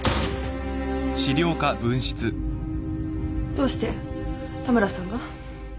どうして田村さんが？